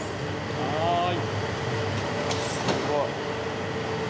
はい。